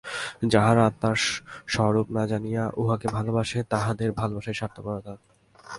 যাহারা আত্মার স্বরূপ না জানিয়া উহাকে ভালবাসে, তাহাদের ভালবাসাই স্বার্থপরতা।